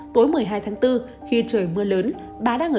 tối một mươi hai tháng bốn khi trời mưa lớn